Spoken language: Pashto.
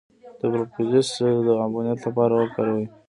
د پروپولیس د عفونت لپاره وکاروئ